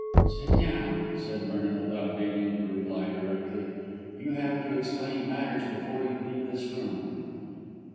"Sit down," said Vernon without deigning to reply directly; "you have to explain matters before you leave this room."